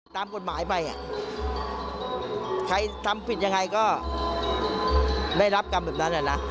ตามกฎหมายไปใครทำผิดยังไงก็ได้รับกรรมแบบนั้นแหละนะ